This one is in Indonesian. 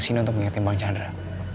sini untuk mengingatkan bang chandra